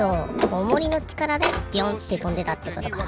オモリのちからでビョンってとんでたってことか。